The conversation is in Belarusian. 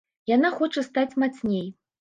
Яна хоча стаць мацней.